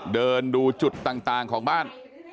เดินดูจุดต่างของบ้าน